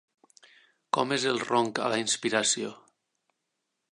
Com és el ronc a la inspiració?